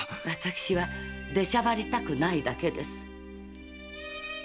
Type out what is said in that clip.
私は出しゃばりたくないだけです。